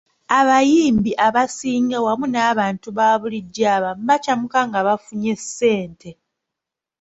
Abayimbi abasinga wamu n’abantu ba bulijjo abamu bakyamuka nga bafunye ssente.